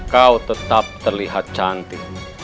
kau tetap terlihat cantik